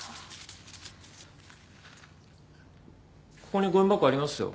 ここにごみ箱ありますよ。